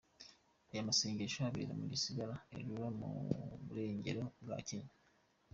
Ayo masengesho abera mu gisagara ca Eldoret, mu burengero bwa Kenya.